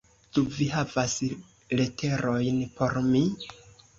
Ĉu ci havas leterojn por mi?